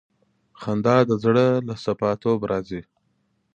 خندا د زړه له صفا توب راځي.